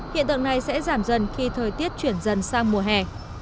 hiện tượng này sẽ giảm dần khi thời tiết chuyển dần sang mùa hè